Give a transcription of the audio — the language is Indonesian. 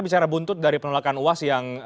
bicara buntut dari penolakan uas yang